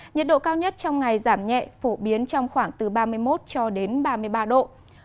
nhiệt độ cao nhất trong ngày giảm nhẹ phổ biến trong khoảng từ ba mươi một cho đến ba mươi ba độ